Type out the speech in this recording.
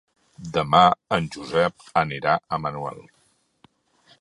Demà en Josep anirà a Manuel.